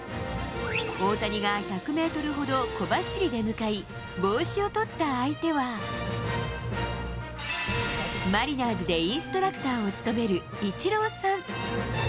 大谷が１００メートルほど小走りで向かい、帽子を取った相手は、マリナーズでインストラクターを務めるイチローさん。